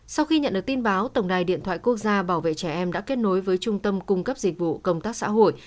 sau khi nhận được tin báo tổng đài điện thoại quốc gia bảo vệ trẻ em đã kết nối với trung tâm cung cấp dịch vụ công tác xã hội